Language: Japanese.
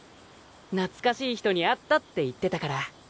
懐かしい人に会ったって言ってたから。